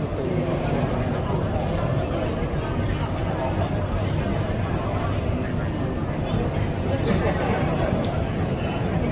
สวัสดีครับ